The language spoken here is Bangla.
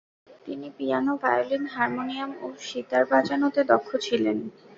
তিনি পিয়ানো, ভায়োলিন, হারমোনিয়াম ও সিতার বাজানোতে দক্ষ ছিলেন।